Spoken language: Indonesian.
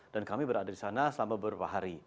dan kami berada di sana selama beberapa hari